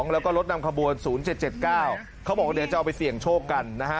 แล้วก็รถนำขบวน๐๗๗๙เขาบอกว่าเดี๋ยวจะเอาไปเสี่ยงโชคกันนะฮะ